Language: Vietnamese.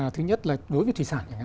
thứ nhất là đối với thủy sản